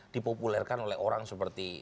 dipopulerkan oleh orang seperti